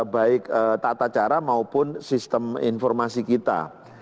baik tata cara maupun sistem informasi kita